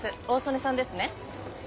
大曽根さんですね。